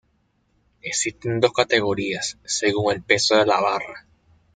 Existen dos categorías, según el peso de la barra.